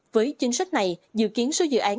với chính sách này dự kiến số dự án